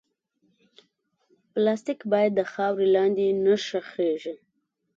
پلاستيک باید د خاورې لاندې نه ښخېږي.